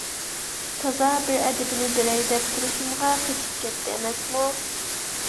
تازا بىر ئەدىپىنى بېرەي دەپ تۇرۇشۇمغا قېچىپ كەتتى ئەمەسمۇ؟